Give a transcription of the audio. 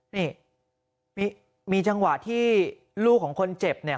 นี่มีจังหวะที่ลูกของคนเจ็บเนี่ย